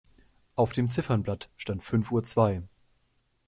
Auf dem Ziffernblatt stand fünf Uhr zwei.